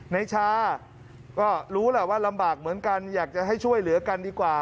ในชาก็รู้แหละว่าลำบากเหมือนกันอยากจะให้ช่วยเหลือกันดีกว่า